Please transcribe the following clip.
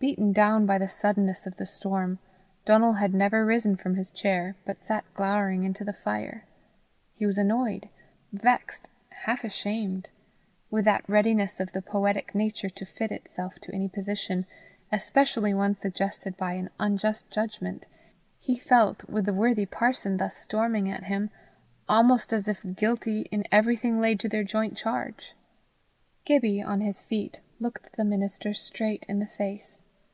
Beaten down by the suddenness of the storm, Donal had never risen from his chair, but sat glowering into the fire. He was annoyed, vexed, half ashamed; with that readiness of the poetic nature to fit itself to any position, especially one suggested by an unjust judgment, he felt, with the worthy parson thus storming at him, almost as if guilty in everything laid to their joint charge. Gibbie on his feet looked the minister straight in the face.